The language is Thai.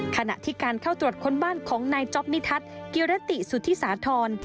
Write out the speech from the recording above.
ขณะที่การเข้าตรวจค้นบ้านของนายจ๊อปนิทัศน์กิรติสุธิสาธรณ์